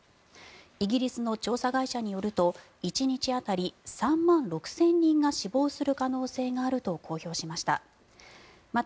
イギリスの調査会社によると１日当たり３万６０００人が死亡する可能性があると公表しました。